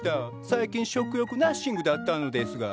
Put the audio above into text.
最近食欲ナッシングだったのですが。